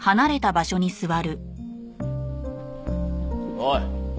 おい。